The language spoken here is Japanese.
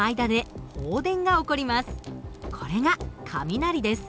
これが雷です。